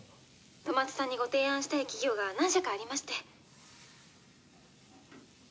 戸松さんにご提案したい企業が何社かありまして。